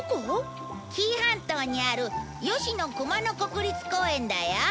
紀伊半島にある吉野熊野国立公園だよ。